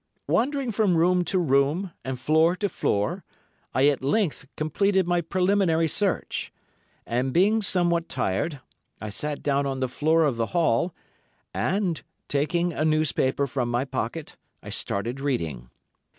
Wandering from room to room, and floor to floor, I at length completed my preliminary search, and being somewhat tired, I sat down on the floor of the hall, and, taking a newspaper from my pocket, started reading.